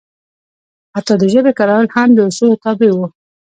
حتی د ژبې کارول هم د اصولو تابع وو.